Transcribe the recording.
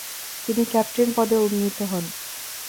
তিনি ক্যাপ্টেন পদে উন্নীত হন।